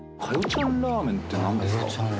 ちゃんラーメンってなんですか？